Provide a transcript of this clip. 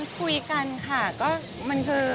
เป็นการคุยกันค่ะ